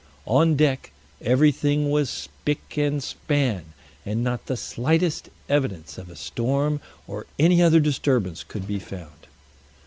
On deck everything was spick and span, and not the slightest evidence of a storm or any other disturbance could be found.